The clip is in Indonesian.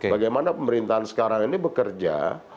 bagaimana pemerintahan sekarang ini bekerja